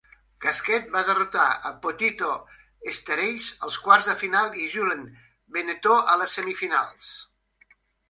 Gasquet va derrotar Potito Starace als quarts de final i Julien Benneteau a les semifinals.